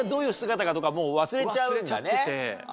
忘れちゃってて。